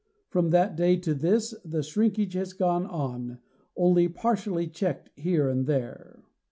From that day to this the shrinkage has gone on, only partially checked here and there.